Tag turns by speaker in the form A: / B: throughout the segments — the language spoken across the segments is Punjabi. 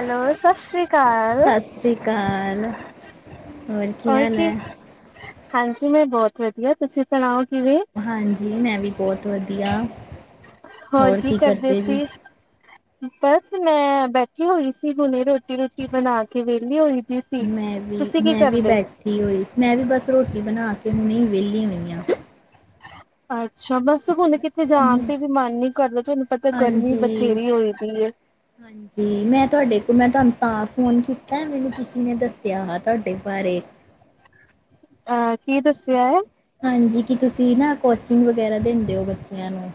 A: ਹੈਲੋ ਸਤਿ ਸ੍ਰੀ ਅਕਾਲ
B: ਸਤਿ ਸ੍ਰੀ ਅਕਾਲ
A: ਹੋਰ ਕੀ ਹਾਂਜੀ ਮੈਂ ਬਹੁਤ ਵਧੀਆ ਤੁਸੀਂ ਸੁਣਾਓ। ਕਿਵੇਂ
B: ਹਾਂਜੀ ਮੈਂ ਵੀ ਬਹੁਤ ਵਧੀਆ।
A: ਹੋਰ ਕੀ ਕਰਦੇ ਸੀ। ਬਸ ਮੈਂ ਬੈਠੀ ਹੋਈ ਸੀ ਹੁਣੇ ਰੋਟੀ ਰੂਟੀ ਬਣਾ ਕੇ ਵਿਹਲੀ ਹੋਈ ਦੀ ਸੀ
B: ਮੈਂ ਵੀ
A: ਤੁਸੀਂ ਕੀ
B: ਮੈਂ ਵੀ
A: ਕਰਦੇ
B: ਬੈਠੀ ਹੋਈ ਮੈਂ ਵੀ ਬਸ ਰੋਟੀ ਬਣਾ ਕੇ ਹੁਣੇ ਵਿਹਲੀ ਹੋਈ ਹਾਂ।
A: [unintelligible] ਅਛਾ ਬਸ ਹੁਣ ਕਿੱਥੇ ਜਾਣ ਤੇ ਵੀ ਮਨ ਨੀ ਕਰਦਾ ਤੁਹਾਨੂੰ ਪਤਾ ਗਰਮੀ ਬਥੇਰੀ ਹੋਈ ਦੀ ਹੈ
B: ਹਾਂਜੀ-ਹਾਂਜੀ ਮੈਂ ਤੁਹਾਡੇ ਕੋ ਮੈਂ ਤੁਹਾਨੂੰ ਤਾਂ ਫੋਨ ਕੀਤਾ ਮੈਨੂੰ ਕਿਸੇ ਨੇ ਦੱਸਿਆ ਤੁਹਾਡੇ ਬਾਰੇ।
A: ਅ ਕੀ ਦੱਸਿਆ ਐ?
B: ਕੀ ਤੁਸੀਂ ਨਾ ਕੋਚਿੰਗ ਵਗੈਰਾ ਦਿੰਦੇ ਹੋ ਬੱਚਿਆਂ ਨੂੰ?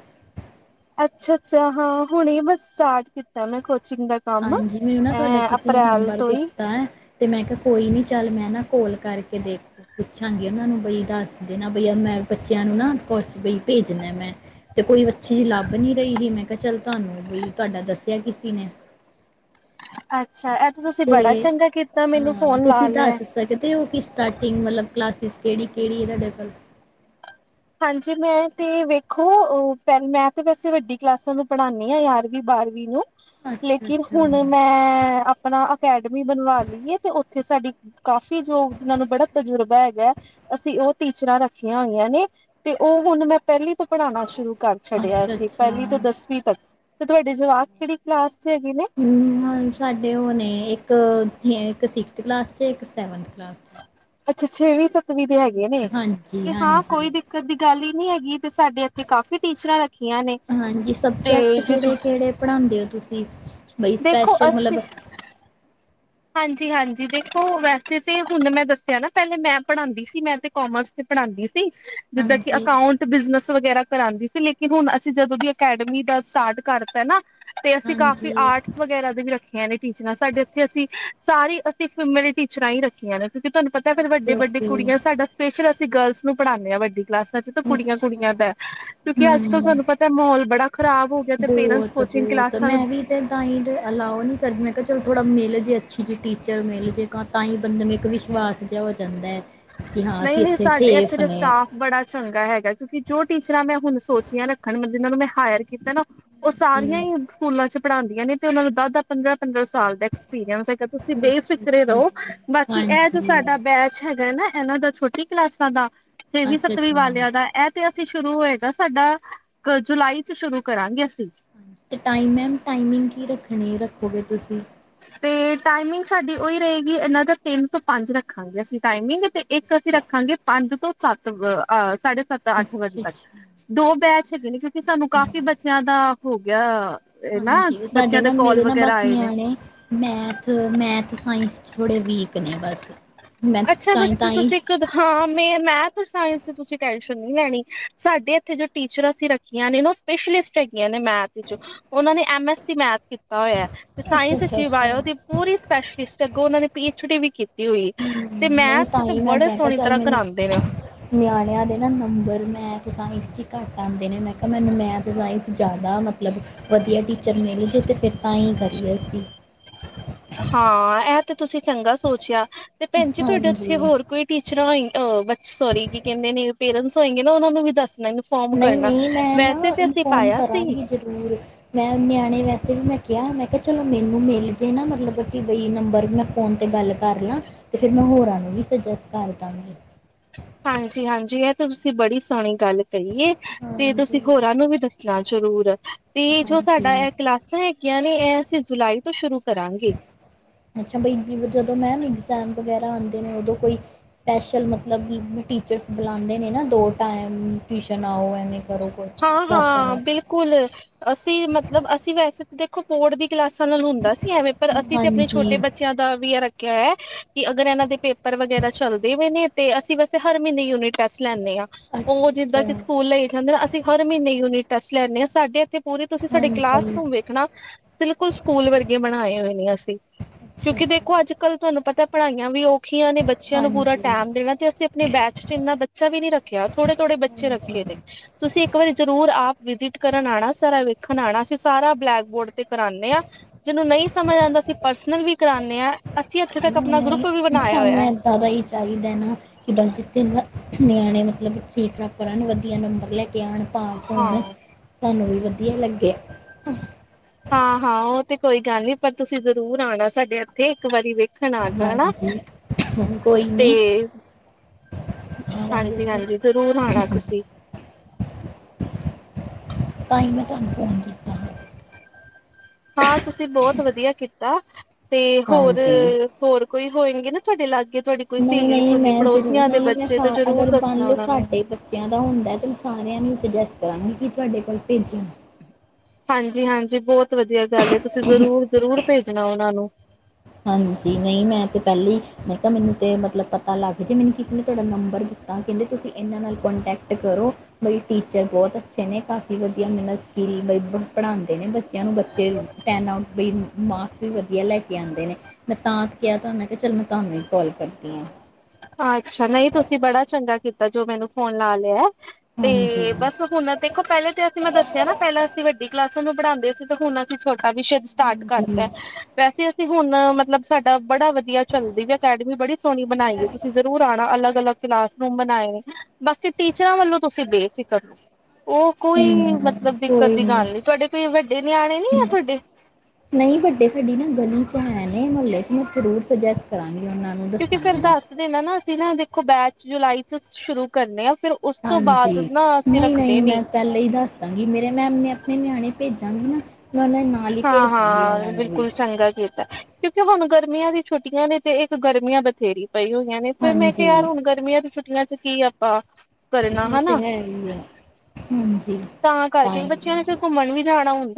A: ਅੱਛਾ-ਅੱਛਾ ਹਾਂ ਹੁਣੇ ਬਸ ਸਟਾਰਟ ਕੀਤਾ ਮੈਂ ਖੁ ਚਿੰਗ ਦਾ ਕੰਮ
B: ਹਾਂਜੀ ਮੈਨੂੰ ਨਾ ਤੁਹਾਡਾ
A: ਇਹ
B: ਕਿਸੇ ਨੇ
A: ਅਪ੍ਰੈਲ
B: ਨੰਬਰ
A: ਤੋਂ ਹੀ।
B: ਦਿੱਤਾ ਹੈ ਤੇ ਮੈਂ ਕਿਹਾ ਕੋਈ ਨੀ ਚੱਲ ਮੈਂ ਨਾ ਕੋਲ ਕਰਕੇ ਦੇ ਪੁੱਛਾਂਗੀ ਉਹਨਾਂ ਨੂੰ ਬਈ ਦੱਸ ਦੇਨਾ ਬਈ ਮੈਂ ਬੱਚਿਆਂ ਨੂੰ ਨਾ ਬਈ ਭੇਜਣਾ ਮੈਂ ਤੇ ਕੋਈ ਅੱਛੀ ਲੱਭ ਨੀ ਰਹੀ ਸੀ ਮੈਂ ਕਿਹਾ ਚੱਲ ਤੁਹਾਨੂੰ ਬਈ ਤੁਹਾਡਾ ਦੱਸਿਆ ਕਿਸੀ ਨੇ।
A: ਅੱ
B: ਤੇ ਹਾਂ
A: ਫੋਨ ਲਾ
B: ਤੁਸੀਂ
A: ਲਿਆ
B: ਦੱਸ ਸਕਦੇ ਹੋ? ਕਿ ਸਟਾਰਟਿੰਗ ਮਤਲਬ ਕਲਾਸਿਸ ਕਿਹੜੀ ਕਿਹੜੀ ਹੈ ਤੁਹਾਡੇ ਕੋਲ?
A: ਹਾਂਜੀ, ਮੈਂ ਤੇ ਵੇਖੋ ਮੈਂ ਤੇ ਵੈਸੇ ਵੱਡੀ ਕਲਾਸਾਂ ਨੂੰ ਪੜ੍ਹਾਨੀ ਆ ਗਿਆਰਵੀਂ ਬਾਰਵੀਂ ਨੂੰ।
B: ਅੱਛਾ
A: ਲੇਕਿਨ
B: ਅੱਛਾ
A: ਹੁਣ ਮੈਂ ਆਪਣਾ ਅਕੈਡਮੀ ਬਣਵਾ ਲਈਏ ਤੇ ਉੱਥੇ ਸਾਡੀ ਕਾਫ਼ੀ ਜੋ ਜਿਹਨਾਂ ਨੂੰ ਬੜਾ ਤਜੁਰਬਾ ਹੈਗਾ ਅਸੀਂ ਉਹ ਟੀਚਰਾਂ ਰੱਖੀਆਂ ਹੋਈਆਂ ਨੇ। ਤੇ ਉਹ ਹੁਣ ਮੈਂ ਪਹਿਲੀ ਤੋਂ ਪੜ੍ਹਾਉਣਾ ਸ਼ੁਰੂ ਕਰ ਛੱਡਿਆ
B: ਅੱਛਾ
A: ਸੀ ਪਹਿਲੀ ਤੋਂ
B: ਅੱਛਾ
A: ਦਸਵੀਂ ਤੱਕ। ਤੇ ਤੁਹਾਡੀੇ ਜਵਾ ਕਿਹੜੀ ਕਲਾਸ ਚ ਹੈਗੇ ਨੇ
B: ਹੂੰ, ਸਾਡੇ ਉਹ ਨੇ ਇੱਕ ਇੱਕ ਸਿਕਸਥ ਕਲਾਸ ਚ ਏ ਇੱਕ ਸੈਵਨਥ ਕਲਾਸ ਚ ਏ।
A: ਅੱਛਾ, ਛੇਵੀ ਸੱਤੀਂ ਦੇ ਹੈਗੇ। ਨੇ
B: ਹਾਂਜੀ
A: ਤੇ ਹਾਂ
B: ਹਾਂਜੀ
A: ਕੋਈ ਦਿੱਕਤ ਦੀ ਗੱਲ ਹੀ, ਨਹੀਂ ਹੈਗੀ। ਤੇ ਸਾਡੇ ਇੱਥੇ ਕਾਫੀ ਟੀਚਰਾਂ ਰੱਖੀਆਂ ਨੇ
B: ਹਾਂਜੀ
A: ਤੇ
B: ਸਬਜੈਕਟ
A: ਜ
B: ਕਿਹੜੇ-ਕਿਹੜੇ ਪੜ੍ਹਾਉਂਦੇ ਹੋ ਤੁਸੀਂ? ਬਈ
A: ਦੇਖੋ
B: ਸਪੈਸ਼ਲ
A: ਅੱਸੀ,
B: ਮਤਲਬ
A: ਹਾਂਜੀ-ਹਾਂਜੀ ਦੇਖੋ ਵੈਸੇ ਤੇ ਹੁਣ ਮੈਂ ਦੱਸਿਆ ਨਾ ਪਹਿਲੇ ਮੈਂ ਪੜ੍ਹਾਂਦੀ ਸੀ ਮੈਂ ਤੇ ਕਾਮਰਸ ਤੇ ਪੜ੍ਹਾਂਦੀ। ਜਿੱਦਾਂ ਕਿ
B: ਹਾਂਜੀ,
A: ਅਕਾਊਂਟ ਬਿਜਨਸ ਵਗੈਰਾ, ਕਰਾਦੀ ਸੀ ਲੇਕਿਨ ਹੁਣ ਅਸੀਂ ਜਦੋਂ ਦੀ ਅਕੈਡਮੀ ਦਾ ਸਟਾਰਟ ਕਰਤਾ ਨਾ, ਤੇ ਅਸੀਂ ਕਾਫੀ
B: ਹਾਂਜੀ
A: ਆਰਟਸ ਵਗੈਰਾ ਦੇ ਵੀ ਰੱਖੀਆਂ ਨੇ ਟੀਚਰ ਸਾਡੇ ਉਥੇ ਅਸੀਂ, ਸਾਰੀ ਅਸੀਂ ਫੀਮੇਲ ਟੀਚਰਾਂ ਹੀ ਰੱਖੀਆਂ ਨੇ, ਕਿਉਂਕਿ ਤੁਹਾਨੁੰ ਪਤਾ ਫੇਰ ਵੱਡ-ਵੱਡੇ
B: ਓਕੇ-ਓਕੇ
A: ਕੁੜੀਆਂ ਸਾਡਾ ਸਪੈਸ਼ਲ ਅਸੀ ਗਰਲਸ ਨੂੰ ਪੜਾਨੇ ਆ ਵੱਡੀ, ਕਲਾਸਾਂ ਚ ਤਾਂ
B: ਅੱਛਾ
A: ਕੁੜੀਆਂ-ਕੁੜੀਆਂ ਦਾ ਕਿਉਂਕਿ ਅੱਜ-ਕੱਲ੍ਹ
B: ਹੂੰ,
A: ਤੁਹਾਨੂੰ ਪਤਾ ਮਾਹੌਲ ਬੜਾ ਖ਼ਰਾਬ ਹੋ ਗਿਆ ਤੇ ਪੇਰੈਂਟਸ ਕੋਚਿੰਗ
B: ਬਹੁਤ-ਬਹੁਤ
A: ਕਲਾਸਾਂ ਨੂੰ
B: ਮੈਂ ਵੀ ਤੇ ਤਾਂ ਹੀ ਅਲਾਓ ਨੀ ਕਰਦੀ ਮੈਂ ਕਿਹਾ ਚਲੋ ਥੋੜਾ ਮਿਲ ਜੇ, ਜੇ ਟੀਚਰ ਮਿਲ ਜਾ ਤਾਂ ਹੀ ਬੰਦੇ ਨੂੰ ਇੱਕ ਵਿਸ਼ਵਾਸ ਜਿਹਾ ਹੋ, ਜਾਂਦਾ ਹੈ ਕਿ ਹਾਂ
A: ਨਹੀਂ-
B: ਅਸੀਂ
A: ਨਹੀਂ
B: ਇੱਥੇ
A: ਸਾਡੇ ਇੱਥੇ
B: ਸੇਫ
A: ਦਾ
B: ਨੇ
A: ਸਟਾਫ ਬੜਾ ਚੰਗਾ ਹੈ। ਕਿਉਂਕਿ ਜੋ ਟੀਚਰਾਂ ਮੈਂ ਹੁਣ ਸੋਚੀਆਂ ਰੱਖਣ ਮੈਂ ਜਿਨਾਂ ਨੂੰ ਮੈਂ ਹਾਇਰ ਕੀਤਾ ਨਾ ਉਹ
B: ਜੀ
A: ਸਾਰੀਆਂ ਹੀ ਸਕੂਲਾਂ ਚ ਪੜ੍ਹਾਦੀਆਂ ਨੇ ਤੇ ਉਹਨਾਂ ਨੂੰ ਦਸ ਦਸ ਪੰਦਰਾਂ ਪੰਦਰਾਂ ਸਾਲ ਦਾ ਐਕਸਪੀਰੀਅੰਸ ਹੈਗਾ ਤੁਸੀਂ ਬੇਫਿਕਰੇ
B: ਅੱਛਾ-ਅੱਛਾ
A: ਰਹੋ
B: ਜੀ
A: ਬਾਕੀ ਇਹ ਜੋ
B: ਹਾਂਜੀ
A: ਸਾਡਾ ਬੈਚ ਹੈਨਾ ਇਹਨਾਂ ਦਾ ਛੋਟੀ ਕਲਾਸਾਂ ਦਾ ਛੇਵੀ ਸੱਤਵੀਂ
B: ਅੱਛਾ-ਅੱਛਾ ਹਾਂਜੀ
A: ਵਾਲਿਆਂ ਦਾ ਇਹ ਤੇ ਸ਼ੁਰੂ ਹੋਏਗਾ ਸਾਡਾ ਜੁਲਾਈ ਚ ਸ਼ੁਰੂ ਕਰਾਂਗੇ ਅਸੀਂ
B: ਹਾਂ ਟੈਮ ਮੈਮ ਟਾਮਿੰਗ ਕੀ ਰੱਖਣੀ ਐ ਹੋਵੇ ਤੁਸੀਂ
A: ਤੇ ਟਾਈਮਿੰਗ ਸਾਡੀ ਉਹੀ ਰਹੇਗੀ, ਇਹਨਾਂ ਦਾ ਤਿੰਨ ਤੋਂ ਪੰਜ ਰੱਖਾਂਗੇਅਸੀਂ ਟਾਈਮਿੰਗ। ਤੇ ਇੱਕ ਅਸੀਂ
B: ਅੱਛਾ-ਅੱਛਾ
A: ਰੱਖਾਂਗੇ ਪੰਜ ਤੋਂ ਸੱਤ ਹ ਸਾਢੇ ਸੱਤ ਅੱਠ ਵਜੇ ਤੱਕ
B: ਅੱਛਾ-ਅੱਛਾ,
A: ਦੋ ਬੈਚ ਹੈਗੇ ਨੇ ਸਾ ਤੇ ਸਾਨੂੰ ਕਾਫੀ ਬੱਚਿਆਂ ਦਾ ਹੋ ਗਿਆ। ਇਹ ਨਾ
B: ਹਾਂਜੀ
A: ਬੱਚਿਆਂ ਦੇ ਕੌਲ ਵਗੈਰਾ ਆਏ ਨੇ।
B: ਮੈਥ-ਮੈਥ, ਸਾਇੰਸ ਥੋੜੇ ਵੀਕ ਨੇ ਬਸ ਮੈਥ
A: ਅੱਛਾ ਬਸ
B: ਤਾਂਹੀਂ- ਤਾਂਹੀ
A: ਤੁਸੀਂ ਇੱਕ ਹਾਂ ਮੈਂ ਮੈਥ ਸਾਇੰਸ ਦੀ ਤੁਸੀਂ ਟੈਸ਼ਨ ਨਹੀਂ ਲੈਣੀ ਸਾਡੇ ਇੱਥੇ ਜੋ ਟੀਚਰ ਅਸੀਂ ਰੱਖੀਆਂ ਨੇ ਨਾ ਸਪੈਸ਼ਲਿਸਟ ਹੈਗੀਆਂ ਨੇ ਮੈਥ ਵਿਚ ਉਹਨਾਂ ਨੇ ਐਮ ਐਸ ਸੀ ਮੈਥ ਕੀਤੀ। ਕੀਤਾ ਹੋਇਆ ਤੇ ਸਾਇੰਸ ਵਿਚ ਵੀ
B: ਅੱਛਾ-ਅੱਛਾ-ਅੱਛਾ।
A: ਬਾਇਓ ਦੀ
B: ਹੂੰ,
A: ਪੂਰੀ ਸਪੈਸ਼ਲਿਸਟ ਅਗੋਂ ਉਹਨਾਂ ਨੇ ਛੁਟੀ ਵੀ ਕੀ
B: ਹੂੰ ਨਹੀਂ ਤਾਂ ਹੀ ਮੈਂ ਬੈਂ ਕਿਹਾ
A: ਸੋਹਣੀ
B: ਚੱਲ
A: ਤਰ੍ਹਾਂ
B: ਮੈਨੂੰ
A: ਕਰਾਉਂਦੇ ਨੇ
B: ਨਿਆਣਿਆਂ ਦੇ ਨਾ ਨੰਬਰ ਮੈਥ ਸਾਇੰਸ ਚ ਈ ਘੱਟ ਆਂਦੇ ਨੇ ਮੈਂ ਕਿਹਾ ਮੈਨੂੰ ਮੈਥ ਸਾਇੰਸ ਜ਼ਿਆਦਾ ਮਤਲਬ ਵਧੀਆ ਟੀਚਰ ਮਿਲੇ ਜੇ ਤਾਂ ਫਿਰ ਤਾਂ ਹੀ ਕਰੀਏ ਅਸੀਂ
A: ਹਾਂ ਇਹ ਤੇ ਤੁਸੀਂ ਚੰਗਾ ਸੋਚਿਆ। ਤੇ ਭੈਣ ਜੀ ਤੁਹਾਡੇ ਉੱਥੇ
B: ਹਾਂਜੀ।
A: ਹੋਰ ਕੋਈ ਟੀਚਰਾਂ ਹੋਈ ਬ ਸੋਰੀ ਕੀ ਕਹਿੰਦੇ ਨੇ ਪੇਰੈਂਟਸ ਹੋਏ ਨੇ ਨਾ ਉਹਨਾਂ ਨੂੰ ਵੀ ਦੱਸ
B: ਨਹੀਂ-ਨਹੀਂ ਮੈਂ ਨਾ ਇਨਫੋਮ
A: ਪਾਇਆ ਸੀ
B: ਕਰਾਂਗੀ ਜਰੂਰ ਮੈਂ ਨਿਆਣੇ ਵੈਸੇ ਵੀ ਮੈਂ ਕਿਹਾ ਮੈਂ ਕਿਹਾ ਚਲੋ ਮੈਨੂੰ ਮਿਲ ਜੇ ਨਾ ਮਤਲਬ ਕਿ ਬਈ ਨੰਬਰ ਮੈਂ ਫ਼ੋਨ ਤੇ ਗੱਲ ਕਰ ਲਾਂ ਅਤੇ ਫਿਰ ਮੈਂ ਹੋਰਾਂ ਨੂੰ ਵੀ ਸੁਜੈਸਟ ਕਰ ਦਾਂਗੀ।
A: ਹਾਂਜੀ- ਹਾਂਜੀ ਇਹ ਤਾਂ ਤੁਸੀਂ ਬੜੀ ਸੋਹਣੀ ਗੱਲ ਕਹੀਏ ਤੇ
B: ਹਾਂਜੀ
A: ਤੁਸੀਂ ਹੋਰਾਂ ਨੂੰ ਵੀ ਦੱਸਣਾ ਜ਼ਰੂਰ ਤੇ ਜੋ ਸਾਡਾ
B: ਹਾਂਜੀ
A: ਇਹ ਕਲਾਸਾਂ ਹੈਗੀਆਂ ਇਹ ਅਸੀਂ ਜੁਲਾਈ ਤੋਂ ਸ਼ੁਰੂ ਕਰਾਂਗੇ।
B: ਅੱਛਾ ਬਈ ਜ ਜਦੋਂ ਮੈਮ ਇਗਜ਼ਾਮ ਵਗੈਰਾ ਆਉਂਦੇ ਉਦੋਂ ਕੋਈ ਸਪੈਸ਼ਲ ਮਤਲਬ ਟੀਚਰਸ ਬੁਲਾਦੇ ਨੇ ਨਾ ਦੋ ਟਾਈਮ ਟਿਊਸ਼ਨ ਆਓ ਐਵੇਂ ਕਰੋ ਕੁਛ
A: ਹਾਂ,
B: ਕਲਾਸਾਂ
A: ਹਾਂ
B: ਦਾ
A: ਬਿਲਕੁਲ ਅਸੀਂ ਮਤਲਬ ਅਸੀਂ ਵੈਸੇ ਦੇਖੋ ਬੋਰੜ ਦੀ ਕਲਾਸਾਂ ਨਾਲ ਹੁੰਦਾ ਸੀ ਐਵੇਂ ਪਰ ਅਸੀਂ ਤੇ ਆਪਣੇ
B: ਹਾਂਜੀ
A: ਛੋਟੇ ਬੱਚਿਆਂ ਦਾ ਵੀ ਹੈ ਕਿ ਅਗਰ ਇਹਨਾਂ ਦੇ ਪੇਪਰ ਵਗੈਰਾ ਚੱਲਦੇ ਹੋਏ ਨੇ ਤੇ ਅਸੀਂ ਵੈਸੇ ਹਰ ਮਹੀਨੇ ਯੂਨਿਟ ਟੈਸਟ ਲੈਂਦੇ ਹਾਂ। ਉਹ
B: ਅੱਛਾ
A: ਜਿੱਦਾਂ ਕਿ
B: ਅੱਛਾ
A: ਸਕੂਲ ਲਈ ਜਾਂਦੇ ਨਾ ਅਸੀਂ ਮਹੀਨੇ ਯੂਨਿਟ ਟੈਸ ਲੈਂਦੇ ਆ ਸਾਡੇ ਇੱਥੇ ਪੂਰੀ ਤੁਸੀਂ ਸਾਡੇ
B: ਹਾਂਜੀ
A: ਕਲਾਸਰੂਮ ਵੇਖਣਾ ਬਿਲਕੁਲ ਸਕੂਲ ਵਰਗੇ ਬਣਾਏ ਹੋਏ ਨੇ ਅਸੀਂ,
B: ਅੱਛਾ
A: ਕਿਉਂਕਿ ਦੇਖੋ ਅੱਜ
B: ਅੱਛਾ
A: ਕੱਲ ਤੁਹਾਨੂੰ ਪਤਾ, ਪੜ੍ਹਾਈਆਂ ਵੀ ਉਹ ਰੱਖੀਆਂ ਨੇ ਬੱਚਿਆਂ ਨੂੰ ਪੂਰਾ
B: ਹਾਂਜੀ
A: ਟੈਮ ਦੇਣਾ ਤੇ ਅਸੀਂ ਆਪਣੇ ਬੈਚ ਚ ਇੰਨਾ ਬੱਚਾ ਵੀ ਨੀ ਰੱਖਿਆ ਥੋੜੇ ਥੋੜੇ ਬੱਚੇ
B: ਹਾਂਜੀ
A: ਰੱਖੇ ਨੇ ਤੁਸੀਂ ਜ਼ਰੂਰ ਆਪ ਵਿਜਿਟ ਕਰਨ ਆਉਣਾ ਸਾਰਾ ਵੇਖਣ ਆਉਣਾ ਅਸੀਂ ਸਾਰਾ ਬਲੈਕ ਬੋਰਡ ਤੇ ਕਰਾਦੇ ਹਾਂ ਜਿਨੂੰ ਨਹੀਂ ਸਮਝ ਆਉਂਦਾ ਅਸੀਂ ਪਰਸਨਲ ਵੀ ਕਰਾਦੇ ਹਾਂ। ਅਸੀਂ ਇੱਥੇ ਤੱਕ ਆਪਣਾ ਗਰੁੱਪ ਵੀ ਬਣਾਇਆ
B: ਸਾਨੂੰ
A: ਹੋਇਆ
B: ਇਦਾਂ ਹੀ ਚਾਹੀਦਾ ਨਾ ਕਿ ਬ ਜਿੱਥੇ ਨਿਆਣੇ ਮਤਲਬ ਕੀ ਪ੍ਰੋਪਰਾਂ ਨੂੰ ਵਧੀਆ ਨੰਬਰ ਲੈ ਕੇ [unintelligible] ਣ ਪਾਸ
A: ਹਾਂ
B: ਹੋਣ ਸਾਨੂੰ ਵੀ ਵਧੀਆ ਲੱਗਿਆ
A: ਹਾਂ ਹਾਂ ਉਹ ਤੇ ਕੋਈ ਗੱਲ ਨੀ ਪਰ ਤੁਸੀਂ ਜ਼ਰੂਰ ਆਉਣਾ ਸਾਡੇ ਇੱਥੇ ਇੱਕ ਵਾਰੀ ਵੇਖ ਦੇਖਣ ਆ ਜਾਣਾ,
B: ਹਾਂਜੀ ਕੋਈ
A: ਤੇ
B: ਨਹੀਂ ਆਵਾਂਗੇ
A: ਹਾਂਜੀ
B: ਅਸੀਂ
A: ਹਾਂਜੀ ਜ਼ਰੂਰ ਆਣਾ ਤੁਸੀਂ।
B: ਤਾਂ ਹੀ ਮੈਂ ਤੁਹਾਨੂੰ ਫੋਨ ਕੀਤਾ,
A: ਹਾਂ ਤੁਸੀਂ ਬਹੁਤ ਵਧੀਆ ਕੀਤਾ। ਤੇ ਹੋਰ
B: ਹਾਂਜੀ
A: ਹੋਰ, ਕੋਈ ਹੋਏਗੀ ਨਾ ਤੁਹਾਡੇ ਲਾਗੇ ਤੁਹਾਡੀ ਕੋਈ
B: ਨਹੀਂ
A: ਸਹੇਲੀ
B: -ਨਹੀਂ
A: ਸਹੂਲੀ
B: ਮੈਂ ਜ਼ਰੂਰ
A: ਪੜੋਸੀਆਂ ਦੇ
B: ਨਹੀਂ ਮੈਂ
A: ਬੱਚੇ ਤੇ
B: ਸਾਰੇ
A: ਜ਼ਰੂਰ
B: ਅਗਰ ਮੰਨ
A: ਦੱਸਣਾ
B: ਲਓ
A: ਉਹਨਾਂ ਨੂੰ
B: ਸਾਡੇ ਬੱਚਿਆਂ ਦਾ ਹੁੰਦਾ ਤੇ ਸਾਰਿਆਂ ਨੂੰ, ਮੈਂ ਜਸ ਕਰਾਂਗੇ ਕਿ ਤੁਹਾਡੇ ਕੋਲ ਭੇਜੋ-
A: ਹਾਂਜੀ- ਹਾਂਜੀ ਬਹੁਤ ਵਧੀਆ। ਲੱਗਿਆ ਤੁਸੀਂ ਜ਼ਰੂਰ ਜ਼ਰੂਰ ਭੇਜਣਾ ਉਹਨਾਂ ਨੂੰ।
B: ਹਾਂਜੀ ਨਹੀਂ ਮੈਂ ਤੇ ਪਹਿਲੀ ਮੈਂ ਕਿਹਾ ਮੈਨੂੰ ਤੇ ਮਤਲਬ ਪਤਾ ਲੱਗ ਜੇ ਮੈਨੂੰ ਕਿਸੇ ਨੇ ਤੁਹਾਡਾ ਨੰਬਰ ਦਿੱਤਾ ਕਹਿੰਦੇ ਤੁਸੀਂ ਇਹਨਾਂ ਨਾਲ ਕੰਟੈਕਟ ਕਰੋ ਬਈ ਟੀਚਰ ਬਹੁਤ ਅੱਛੇ ਨੇ ਕਾਫੀ ਵਧੀਆ ਮੈਨੂੰ ਸਕੀਲ ਵੀ ਬਣਾਉਂਦੇ ਨੇ ਬੱਚਿਆਂ ਨੂੰ ਬੱਚੇ ਤਿੰਨ ਆਊਟ ਬਈ ਮਾਰਕਸ ਵੀ ਵਧੀਆ ਲੈ ਕੇ ਆਂਦੇ ਨੇ। ਮੈਂ ਤਾਂ ਕਿਹਾ ਤਾਂ ਕਿਹਾ ਚੱਲ ਮੈਂ ਤੁਹਾਨੂੰ ਹੀ ਕੋਲ ਕਰਦੀ ਹਾਂ।
A: ਹਾਂ ਅੱਛਾ ਨਹੀਂ ਤੁਸੀਂ ਬੜਾ ਚੰਗਾ ਕੀਤਾ ਜੋ ਮੈਨੂੰ ਫੋਨ ਲਾ ਲਿਆ,
B: ਹਾਂਜੀ
A: ਤੇ ਬਸ ਹੁਣ ਦੇਖੋ ਪਹਿਲੇ ਤੇ ਅਸੀਂ ਮੈਂ ਦੱਸਿਆ ਨਾ ਪਹਿਲਾਂ ਅਸੀਂ ਵੱਡੀ ਕਲਾਸ, ਨੂੰ ਪੜ੍ਹਾਂਦੇ ਸੀ ਤੇ ਹੁਣ ਅਸੀਂ ਛੋਟਿਆ ਕਾਫੀ ਵਿਸ਼ਦ ਸਟਾਰਟ
B: ਹਾਂਜੀ
A: ਕਰਤਾ ਹੈ ਵੈਸੇ ਹੁਣ ਮਤਲਬ ਸਾਡਾ ਬੜਾ ਵਧੀਆ ਚੱਲਦੀ ਵੀ ਅਕੈਡਮੀ ਬੜੀ ਸੋਹਣੀ ਬਣਾਈ। ਆਉਣਾ ਅਲੱਗ ਅਲੱਗ ਕਲਾਸਰੂਮ ਬਣਾਏ ਨੇ ਬਾਕੀ ਟੀਚਰਾਂ ਵੱਲੋਂ ਤੁਸੀਂ ਬੇਫਿਕਰ ਰਹੋ, ਉਹ ਕੋਈ
B: ਹਮ
A: ਮਤਲਬ ਦਿੱਕਤ
B: ਕੋਈ
A: ਦੀ
B: ਨਹੀਂ
A: ਗੱਲ ਨੀ ਤੁਹਾਡੇ ਕੋਈ ਵੱਡੇ ਨਿਆਣੇ ਨੀ ਆ ਤੁਹਾਡੇ,
B: ਨਹੀਂ ਹੂੰ। ਜ਼ਰੂਰ ਸੁਜੈਸਟ ਕਰਾਂਗੀ, ਉਹਨਾਂ ਨੂੰ
A: ਕਿਉਂਕਿ
B: ਦੱਸਾਂਗੀ
A: ਫੇਰ
B: ।ਮੈਂ
A: ਦੱਸ ਦੇਣਾ ਨਾ ਅਸੀਂ ਨਾ ਦੇਖੋ ਬੈਚ ਜੁਲਾਈ ਤੋਂ ਸ਼ੁਰੂ ਕਰਨੇ ਆ ਫਿਰ ਉਸ ਤੋਂ
B: ਹਾਂਜੀ
A: ਬਾਅਦ ਨਾ ਅਸੀਂ
B: ਨਹੀਂ -ਨਹੀਂ
A: ਰੱਖਦੇ ਨੀ
B: ਮੈਂ ਪਹਿਲਾਂ ਹੀ ਦੱਸ ਦਾਂਗੀ। ਮੇਰੇ ਮੈਮ ਨੇ ਆਪਣੇ ਨਿਆਣੇ ਭੇਜਾਂਗੀ। ਨਾ ਮੈਂ ਉਹਨਾਂ ਨਾਲ ਹੀ
A: ਹਾਂ
B: ਭੇਜ ਦਾਂਗੀ ਉਹਨਾਂ
A: ਹਾਂ
B: ਨੂੰ ਵੀ
A: ਬਿਲਕੁਲ ਚੰਗਾ ਕੀਤਾ ਕਿਉਂਕਿ ਹੁਣ ਗਰਮੀਆਂ ਦੀ ਛੁੱਟੀਆਂ ਨੇ ਤੇ ਇੱਕ ਗਰਮੀਆਂ ਬਥੇਰੀ ਪਈ ਹੋਈਆਂ ਨੇ ਫਿਰ ਮੈਂ
B: ਹਾਂਜੀ
A: ਕਿਹਾ -ਯਾਰ ਹੁਣ ਗਰਮੀਆਂ ਚ, ਮੈਂ ਕਿਹਾ ਕੀ ਆਪਾਂ ਕਰਨਾ
B: ਉਹ ਤੇ
A: ਹਨਾ
B: ਹੈ। ਹੀ ਆ ਹਾਂਜੀ।
A: ਤਾਂ ਕਰਕੇ ਬੱਚਿਆਂ ਨੇ ਫਿਰ ਘੁੰਮਣ ਵੀ ਜਾਣਾ ਹੁੰਦਾ।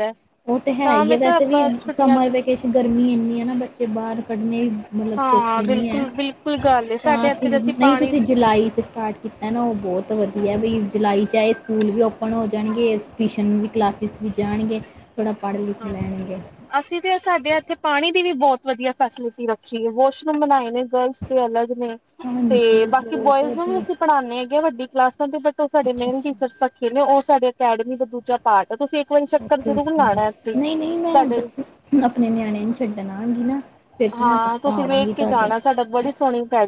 B: ਉਹ ਤੇ ਹੈ
A: ਤਾਂ
B: ਹੀ ਹੈ
A: ਮੈਂ ਕਿਹਾ
B: ਵੈਸੇ ਵੀ
A: ਆਪਾਂ ਛੁੱਟੀਆਂ
B: ਸਮਰ
A: ਚ
B: ਵਿਕੇਸ਼ਨ ਗਰਮੀ ਇੰਨੀ ਹੈ। ਨਾ ਬੱਚੇ ਬਾਹਰ ਕੱਢਣੇ ਮਤਲਬ
A: ਹਾਂ
B: ਸੌਖੇ ਨਹੀਂ ਹੈ।
A: ਬਿਲਕੁਲ ਬਿਲਕੁਲ ਗੱਲ
B: ਤਾਂ
A: ਸਾਡੇ ਇੱਥੇ
B: ਅਸੀਂ ਨਹੀਂ
A: ਪਾਣੀ
B: ਤੁਸੀਂ ਜੁਲਾਈ 'ਚ ਸਟਾਰਟ ਕੀਤਾ। ਨਾ ਉਹ ਬਹੁਤ ਬਹੁਤ ਵਧੀਆ ਵੀ ਜੁਲਾਈ 'ਚ ਚਾਹੇ ਸਕੂਲ ਵੀ ਓਪਨ ਹੋ ਜਾਣਗੇ। ਟਿਊਸ਼ਨ ਵੀ ਕਲਾਸਿਸ ਵੀ ਜਾਣਗੇ। ਥੋੜ੍ਹਾ ਪੜ੍ਹ- ਲਿਖ
A: ਹਾਂ
B: ਲੈਣਗੇ।
A: ਅਸੀਂ ਤੇ ਸਾਡੇ ਇੱਥੇ ਪਾਣੀ ਦੀ ਵੀ ਬਹੁਤ ਵਧੀਆ ਫੈਸਿਲਿਟੀ ਰੱਖੀ ਹੈ। ਵਾਸ਼ਰੂਮ ਬਣਾਏ ਨੇ ਗਰਲਸ ਤੇ ਅਲੱਗ ਨੇ ਤੇ
B: ਹਾਂਜੀ
A: ਬਾਕੀ
B: ਬਹੁਤ
A: ਬੋਇਜ਼ ਨੂੰ ਵੀ
B: ਵਧੀਆ
A: ਅਸੀਂ ਪੜ੍ਹਾਦੇ ਹੈਗੇ। ਵੱਡੀ ਕਲਾਸ ਬਟ ਉਹ ਸਾਡੇ
B: ਅੱਛਾ
A: ਮੇਨ
B: ਅੱਛਾ
A: ਟੀਚਰਸ ਰਖੇ ਨੇ ਓਸ ਸਾਡੇ ਅਕੈਡਮੀ ਦਾ ਦੂਜਾ ਪਾਰਟ ਤੇ ਤੁਸੀਂ ਇੱਕ ਵਾਰੀ ਚੱਕਰ
B: ਓਕੇ
A: ਜਰੂਰ
B: ਓਕੇ
A: ਲਾਉਣਾ ਐ।
B: ਨਹੀਂ -ਨਹੀਂ ਮੈਂ ਹੋਣ ਆਪਣੇ ਨਿਆਣਿਆਂ ਨੂੰ ਛੱਡਣ ਆਂਵਾਗੀ। ਨਾ ਫਿਰ ਤੇ ਮੈਂ
A: ਹਾਂ
B: ਪੱਕਾ ਆਵਾਂਗੀ। ਤੁਹਾਡੇ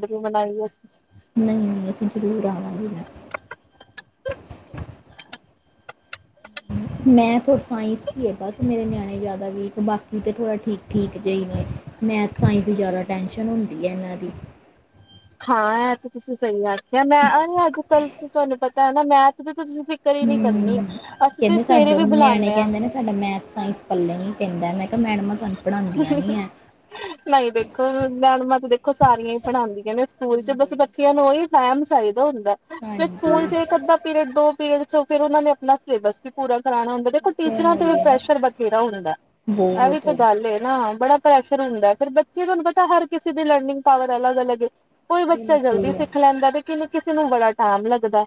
A: ਰੀ ਬਨਾਈ। ਅਸੀ
B: ਨਹੀਂ- ਨਹੀਂ ਅਸੀਂ ਜ਼ਰੂਰ ਆਉਣਾ ਹੀ ਹੈ। ਮੈਥ ਹੋਰ ਸਾਈੰਸ ਹੀ ਹੈ। ਬਸ ਮੇਰੇ ਨਿਆਣੇ ਜ਼ਿਆਦਾ ਵੀਕ ਬਾਕੀ ਤਾਂ ਥੋੜਾ ਠੀਕ- ਠੀਕ ਜੇ ਹੀ ਨੇ ।ਮੈਥ ਸਾਈੰਸ ਦੀ ਜ਼ਿਆਦਾ ਟੈਂਸ਼ਨ ਹੁੰਦੀ ਹੈ। ਇਹਨਾਂ ਦੀ
A: ਹਾਂ, ਇਹ ਤੇ ਤੁਸੀ ਸਹੀ ਗੱਲ ਜਾਂ ਮੈਂ ਅਰੇ ਅੱਜ ਕੱਲ ਤੁਹਾਨੂੰ ਪਤ ਮੈ ਤਾਂ ਦਾ ਮੈਥ ਦ
B: ਹਮ। ਕਹਿੰਦੇ
A: ਸਵੇਰੇ
B: ਸਾਡੇ
A: ਵੀ
B: ਨਿਆਣੇ
A: ਬੁਲਾਉਂਦੇ ਹਾਂ
B: ਕਹਿੰਦੇ ਨੇ ਸਾਡਾ ਮੈਥ, ਸਾਇੰਸ ਪੱਲੇ ਨੀ ਪੈਂਦਾ। ਮੈਂ ਕਿਹਾ ਮੈਡਮਾਂ ਤੁਹਾਨੂੰ ਪੜ੍ਹਾਉਂਦੀਆਂ ਨਹੀਂ ਹੈ
A: ਨਹੀਂ, ਦੇਖੋ ਮੈਡਮਾਂ ਤੇ ਦੇਖੋ ਸਾਰੀਆਂ ਹੀ ਪੜ੍ਹਾਉਂਦੀਆਂ ਨੇ ਸਕੂਲ ਚ ਬਸ
B: ਹਾਂਜੀ
A: ਬੱਚਿਆਂ ਨੂੰ ਓਹੀ ਟੈਮ ਚਾਈ ਹੁੰਦਾ। ਫਿਰ
B: ਹਾਂਜੀ
A: ਸਕੂਲ ਚ ਇੱਕ ਅੱਧਾ ਪੀਰੀਅਡ ਦੋ ਪੀਰੀਅਡ ਸੋ ਫੇਰ ਉਹਨਾਂ ਨੇ ਆਪਣਾ ਸਿਲੇਬਸ ਵੀ ਪੂਰਾ ਕਰਾਉਣਾ ਹੁੰਦਾ। ਦੇਖੋ
B: ਉਹ ਤਾਂ
A: ਟੀਚਰਾਂ
B: ਹੈ
A: ਤੇ ਵੀ
B: ਹੀ ਆ
A: ਪ੍ਰੈਸ਼ਰ ਬਥੇਰਾ ਹੁੰਦਾ। ਇਹ ਵੀ
B: ਬਹੁਤ
A: ਤੇ ਗੱਲ ਏ ਨਾ ਬੜਾ ਪ੍ਰੈਸ਼ਰ ਹੁੰਦਾ ਹੈ ਫਿਰ ਬੱਚੇ ਤੁਹਾਨੂੰ ਪਤਾ ਹਰ ਕਿਸੇ ਦੀ ਲਰਨਿੰਗ ਪਾਵਰ ਅਲੱਗ ਅਲੱਗ ਏ ਕੋਈ ਬੱਚਾ ਜਲਦੀ
B: ਬਿਲਕੁਲ
A: ਸਿੱਖ ਲੈਂਦਾ ਤੇ ਕਿਨ ਕਿਸੇ ਨੂੰ ਬੜਾ ਟੈਮ ਲੱਗਦਾ ਐ।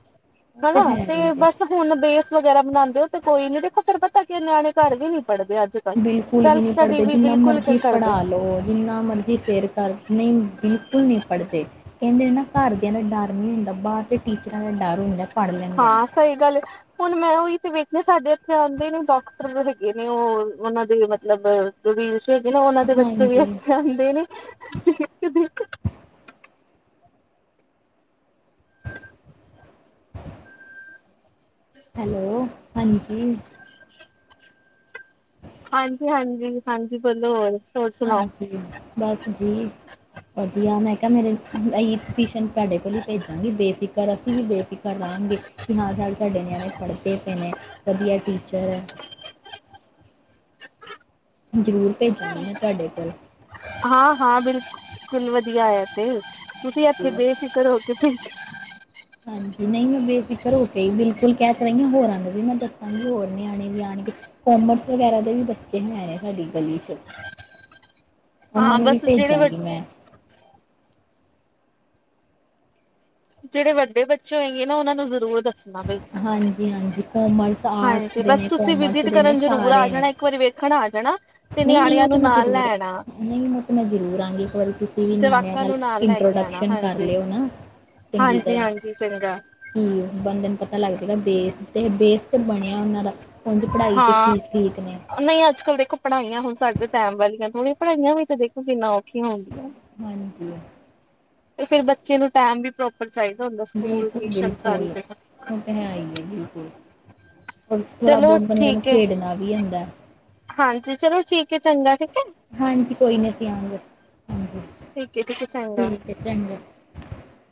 B: ਉਹ
A: ਹਨਾ
B: ਹੈ ਹੀ
A: ਤੇ
B: ਜੇ
A: ਬਸ ਹੁਣ ਬੇਸ ਵਗੈਰਾ ਬਣਾਉਂਦੇ ਹੋ ਤੇ ਕੋਈ ਨੀ ਤੇ [unintelligible] ਤਾਂ ਕਿ ਨਿਆਣੇ ਘਰ ਵੀ ਨੀ ਪੜ੍ਹਦੇ ਅੱਜ ਕੱਲ
B: ਲ ਵੀ ਨਹੀਂ ਪੜ੍ਹਦੇ ਜਿੰਨਾ ਮਰਜ਼ੀ ਪੜ੍ਹਾ ਲਓ ਜਿੰਨਾ ਮਰਜ਼ੀ ਸਿਰ ਕਰ ਨਹੀਂ ਬਿਲਕੁਲ ਨਹੀਂ ਪੜ੍ਹਦੇ। ਕਹਿੰਦੇ ਨੇ ਨਾ ਘਰਦਿਆਂ ਦਾ ਡਰ ਨੀ ਹੁੰਦਾ ਬਾਹਰ ਅਤੇ ਟੀਚਰਾਂ ਦਾ ਡਰ ਹੁੰਦਾ ਪੜ੍ਹ ਲੈਂਦੇ ਨੇ।
A: ਹਾਂ ਸਹੀ ਗੱਲ ਏ। ਹੁਣ ਮੈਂ ਉਹੀ ਤੇ ਵੇਖਨਾ ਸਾਡੇ ਇੱਥੇ ਆਉਂਦੇ ਨੇ ਡਾਕਟਰ ਹੈਗੇ ਨੇ ਉਹ ਉਹਨਾਂ ਦੇ ਮਤਲਬ ਜਿਹੜੀ ਤਦੀ ਨਾ ਉਹਨਾਂ ਦੇ ਬੱਚੇ ਵੀ
B: ਹਾਂਜੀ
A: ਇੱਥੇ ਆਉਂਦੇ ਨੇ
B: ਹੈਲੋ ਹਾਂਜੀ।
A: [inaudible] ਹਾਂਜੀ ਹਾਂਜੀ ਹਾਂਜੀ ਬੋਲੋ ਹੋਰ ਹੋਰ ਸੁਣਾਓ
B: ਹਾਂਜੀ ਬਸ ਜੀ ਵਧੀਆ ਮੈਂ ਕਿਹਾ ਮੇਰੇ ਈ ਟਿਊਸ਼ਨ ਤੁਹਾਡੇ ਕੋਲ ਹੀ ਭੇਜਾਂਗੀ ਬੇਫਿਕਰ ਅਸੀਂ ਵੀ ਬੇਫਿਕਰ ਰਹਾਂਗੇ ਕਿ ਹਾਂ ਸਰ ਤੁਹਾਡੇ ਨਿਆਣੇ ਪੜ੍ਹਦੇ ਪਏ ਨੇ ਵਧੀਆ ਟੀਚਰ ਹੈ। ਜ਼ਰੂਰ ਭੇਜਾਂਗੀ ਮੈਂ ਤੁਹਾਡੇ ਕੋਲ
A: ਹਾਂ ਹਾਂ ਬਿਲਕੁਲ। ਸਕੂਲ ਦੀ ਆਇਆ ਤੇ ਤੁਸੀਂ ਇੱਥੇ
B: ਹਾਂਜੀ
A: ਬੇਫਿਕਰ ਹੋ ਕੇ
B: ਹਾਂਜੀ ਨਹੀਂ ਮੈਂ ਬੇਫਿਕਰ ਹੋ ਕੇ ਹੀ ਬਿਲਕੁਲ ਕਹਿ ਕਰ ਰਹੀ ਹਾਂ ਹੋਰਾਂ ਦੇ ਵੀ ਮੈਂ ਦੱਸਾਂਗੀ ਹੋਰ ਨਿਆਣੇ ਵੀ ਯਾਨ ਕਿ ਕੋਮਰਸ ਵਗੈਰਾ ਦੇ ਵੀ ਬੱਚੇ ਹੈ ਨੇ ਸਾਡੀ ਗਲੀ ਚ ਉਹਨਾਂ
A: ਹਾਂ
B: ਨੂੰ ਵੀ
A: ਬਸ ਜਿਹੜੇ ਵ
B: ਭੇਜਾਂਗੀ ਮੈਂ
A: ਜਿਹੜੇ ਵੱਡੇ ਬੱਚੇ ਹੋਏਗੇ ਨਾ ਉਹਨਾ ਨੂੰ ਜ਼ਰੂਰ
B: ਹਾਂਜੀ ਹਾਂਜੀ ਕੋਮਰਸ ਆਰਟਸ
A: ਹਾਂਜੀ
B: ਦੇ
A: ਬਸ
B: ਨੇ
A: ਤੁਸੀਂ
B: ਕੋਮਰਸ
A: ਵਿਜਿਟ
B: ਦੇ ਨੇ
A: ਕਰਨ ਜਰੂਰ ਆ
B: ਸਾਰੇ ਨੇ
A: ਜਾਣਾ ਇੱਕ ਵਾਰੀ ਵੇਖਣ ਆ ਜਾਣਾ ਤੇ
B: ਨਹੀਂ ਨਹੀਂ
A: ਨਿਆਣਿਆਂ
B: ਉਹ ਤੇ
A: ਨੂੰ
B: ਮੈਂ
A: ਨਾਲ
B: ਜ਼ਰੂਰ
A: ਲੈਣਾ
B: ਨਹੀਂ ਉਹ ਤੇ ਮੈਂ ਜ਼ਰੂਰ ਆਾਂਗੀ ਇੱਕ ਵਾਰੀ ਤੁਸੀਂ ਵੀ ਨਿਆਣਿਆਂ
A: ਜਵਾਕਾਂ
B: ਨਾਲ
A: ਨੂੰ ਲੈ ਕੇ ਆਣਾ
B: ਇੰਟਰੋਡਕਸ਼ਨ ਕਰ
A: ਹਾਂਜੀ,
B: ਲਿਓ ਨਾ ਤੇ
A: ਹਾਂਜੀ, ਹਾਂਜੀ ਚੰਗਾ
B: ਕੀ ਬੰਦੇ ਨੂੰ ਪਤਾ ਲੱਗਦਾਗਾ ਬੇਸ ਤੇ ਬੇਸ ਤੇ ਬਣਿਆ ਉਹਨਾਂ ਦਾ ਉਝ ਪੜ੍ਹਾਈ ਚ
A: ਹਾਂ
B: ਠੀਕ ਠੀਕ ਨੇ
A: ਨਹੀਂ ਅੱਜ ਕੱਲ ਦੇਖੋ ਪੜ੍ਹਾਈਆਂ ਹੁਣ ਸਾਡੇ ਟਾਈਮ ਵਾਲੀਆਂ ਥੋੜੀਆਂ ਪੜ੍ਹਾਈਆਂ ਵੀ ਤਾਂ ਦੇਖੋ ਕਿੰਨਾ ਔਖੀਆ ਹੁਣ
B: ਹਾਂਜੀ
A: ਤੇ ਫ਼ਿਰ ਬੱਚੇ ਨੂੰ ਟੈਮ ਵੀ ਪ੍ਰੋਪਰ ਚਾਹੀਦਾ ਹੁੰਦਾ ਸਕੂਲ,
B: ਬਿਲਕੁਲ
A: ਟੂਈਸ਼ਨ ਸਾਰੀ
B: ਬਿਲਕੁਲ
A: ਜੰਗਾਂ,
B: ਉਹ ਤਾਂ ਹੈ ਹੀ ਹੈ ਬਿਲਕੁਲ ਔਰ ਥੋੜ੍ਹਾ
A: ਚਲੋ
B: ਬਹੁਤ ਬੰਦੇ ਨੂੰ
A: ਠੀਕ ਹੈ
B: ਖੇਡਣਾ ਵੀ ਹੁੰਦਾ
A: ਹਾਂਜੀ, ਚਲੋ ਠੀਕ ਹੈ ਚੰਗਾ ਠੀਕ ਹੈ।
B: ਹਾਂਜੀ ਕੋਈ ਨਹੀਂ ਸੀ ਆਉਂਗੇ। ਹਾਂਜੀ
A: ਠੀਕ ਹੈ, ਠੀਕ ਹੈ ਚੰਗਾ।
B: ਠੀਕ ਹੈ ਚੰਗਾ